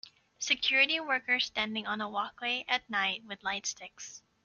Security workers standing on a walkway at night with light sticks.